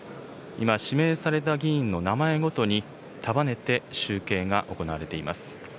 今、指名された議員の名前ごとに束ねて集計が行われています。